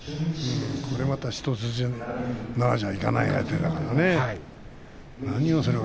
これがまた一筋縄じゃいかない相手だからね。